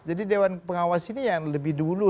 jadi dewan pengawas ini yang lebih dulu